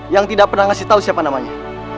yang tidak pernah ngasih tahu siapa namanya